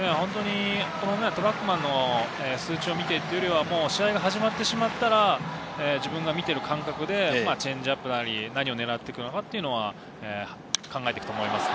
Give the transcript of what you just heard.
トラックマンの数値を見てというよりは、試合が始まってしまったら、自分が見ている感覚でチェンジアップなり、何を狙っていくのか考えていくと思います。